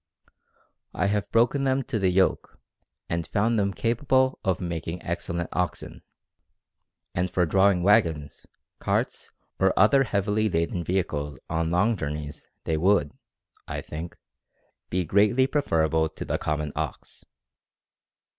"I have broken them to the yoke, and found them capable of making excellent oxen; and for drawing wagons, carts, or other heavily laden vehicles on long journeys they would, I think, be greatly preferable to the common ox."